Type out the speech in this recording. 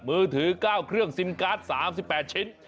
มือถือ๙เครื่องซิมการ์ด๓๘ชิ้น